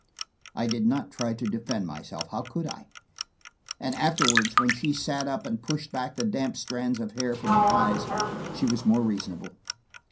I did not try to defend myself. How could I? And afterward when she sat up and pushed back the damp strands of hair from her eyes, she was more reasonable.